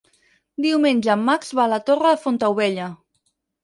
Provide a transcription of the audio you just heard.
Diumenge en Max va a la Torre de Fontaubella.